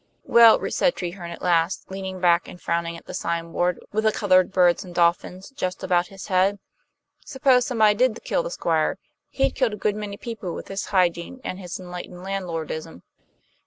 "Well," said Treherne at last, leaning back and frowning at the signboard, with the colored birds and dolphins, just about his head; "suppose somebody did kill the Squire. He'd killed a good many people with his hygiene and his enlightened landlordism."